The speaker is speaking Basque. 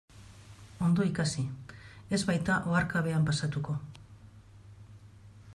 Ondo ikasi, ez baita oharkabean pasatuko.